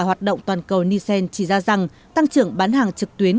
hoạt động toàn cầu nissan chỉ ra rằng tăng trưởng bán hàng trực tuyến